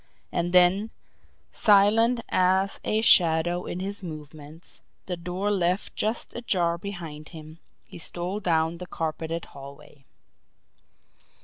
And then, silent as a shadow in his movements, the door left just ajar behind him, he stole down the carpeted hallway.